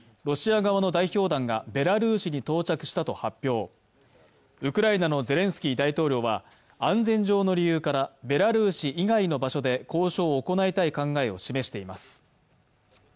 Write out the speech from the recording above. ロシア側の代表団がベラルーシに到着したと発表、ウクライナのゼレンスキー大統領は安全上の理由からベラルーシ以外の場所で交渉を行いたい考えを示しています。